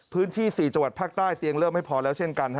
๔จังหวัดภาคใต้เตียงเริ่มไม่พอแล้วเช่นกัน